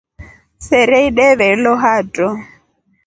Sera ideve lo hatro.